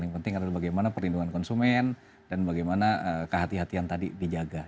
paling penting adalah bagaimana perlindungan konsumen dan bagaimana kehati hatian tadi dijaga